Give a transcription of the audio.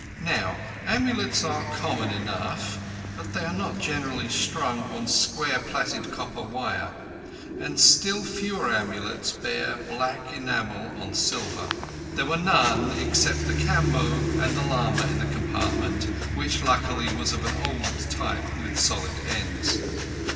Now, amulets are common enough, but they are not generally strung on square plaited copper wire, and still fewer amulets bear black enamel on silver. There were none except the Kamboh and the lama in the compartment, which, luckily, was of an old type with solid ends.